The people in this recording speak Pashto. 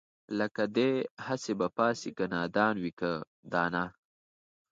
لکه دئ هسې به پاڅي که نادان وي که دانا